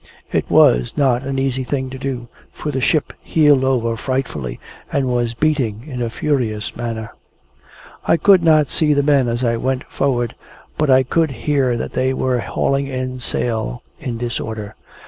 It was not an easy thing to do, for the ship heeled over frightfully, and was beating in a furious manner. I could not see the men as I went forward, but I could hear that they were hauling in sail, in disorder.